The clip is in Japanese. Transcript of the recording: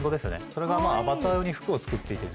それがアバター用に服を作っていて。